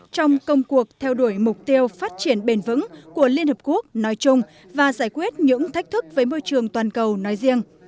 trong công cuộc theo đuổi mục tiêu phát triển bền vững của liên hợp quốc nói chung và giải quyết những thách thức với môi trường toàn cầu nói riêng